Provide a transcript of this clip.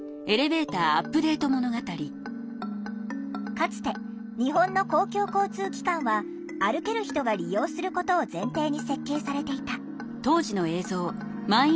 かつて日本の公共交通機関は歩ける人が利用することを前提に設計されていた。